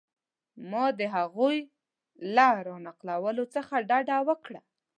ما د هغوی له را نقلولو څخه ډډه وکړه.